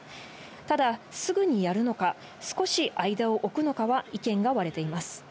ただ、すぐにやるのか、少し間を置くのかは意見が割れています。